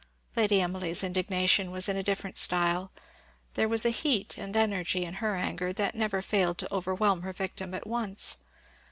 Lady Emily's indignation was in a different style. There was a heat and energy in her anger that never failed to overwhelm her victim at once.